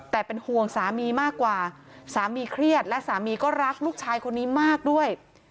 แต่เป็นห่วงสามีมากกว่าสามีเครียดและสามีก็รักลูกชายคนนี้มากด้วย